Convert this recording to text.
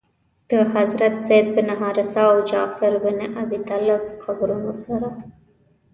د حضرت زید بن حارثه او جعفر بن ابي طالب قبرونو سره.